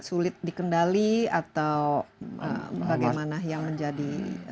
sulit dikendali atau bagaimana yang menjadi